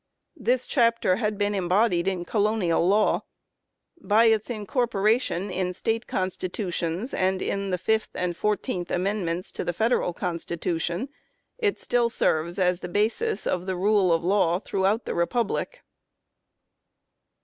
This chapter had been embodied in colonial law. By its incorporation in State Constitutions and in the Fifth and Fourteenth Amendments to the Federal Constitution it still serves as the basis of the rule of law throughout the Re public.